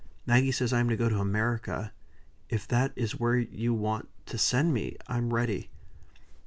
Maggie says I am to go to America; if that is where you want to send me, I'm ready."